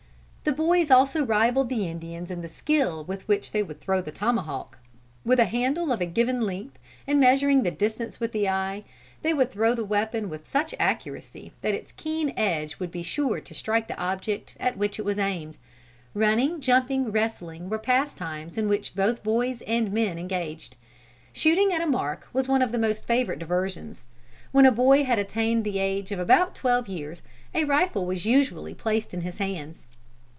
The boys also rivalled the Indians in the skill with which they would throw the tomahawk. With a handle of a given length, and measuring the distance with the eye, they would throw the weapon with such accuracy that its keen edge would be sure to strike the object at which it was aimed. Running, jumping, wrestling were pastimes in which both boys and men engaged. Shooting at a mark was one of the most favorite diversions. When a boy had attained the age of about twelve years, a rifle was usually placed in his hands.